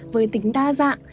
với tính đa dạng